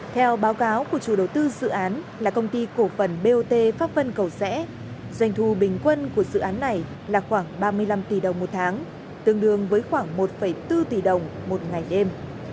theo báo cáo của chủ đầu tư dự án là công ty cổ phần bot pháp vân cầu rẽ doanh thu bình quân của dự án này là khoảng ba mươi năm tỷ đồng một tháng tương đương với khoảng một bốn tỷ đồng một ngày đêm